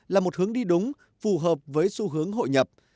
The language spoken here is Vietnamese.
là một hướng đi đúng phù hợp với xu hướng hội nhập